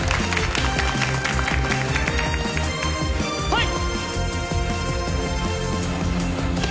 はい！